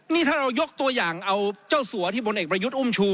นี่ถ้าเรายกตัวอย่างเอาเจ้าสัวที่พลเอกประยุทธ์อุ้มชู